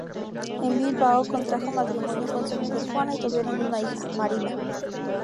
En Bilbao contrajo matrimonio con su mujer Juana, y tuvieron una hija, Marina.